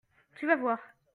Tu vas voir.